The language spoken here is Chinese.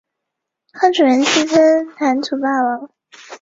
南朝宋的九卿制度沿袭晋制。